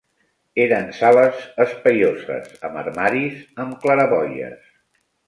Eren sales espaioses, amb armaris, am claraboies